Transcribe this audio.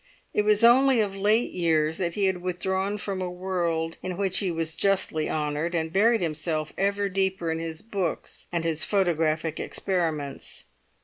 It was only of late years that he had withdrawn from a world in which he was justly honoured, and buried himself ever deeper in his books and his photographic experiments.